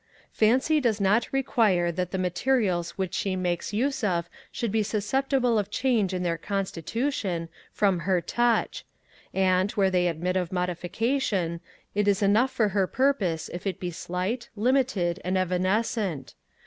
Fancy does not require that the materials which she makes use of should be susceptible of change in their constitution, from her touch; and, where they admit of modification, it is enough for her purpose if it be slight, limited, and evanescent.